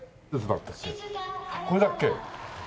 これだっけ？